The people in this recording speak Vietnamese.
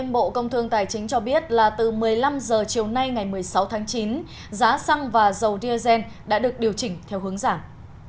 bộ công thương tài chính cho biết là từ một mươi năm h chiều nay ngày một mươi sáu tháng chín giá xăng và dầu diesel đã được điều chỉnh theo hướng giảng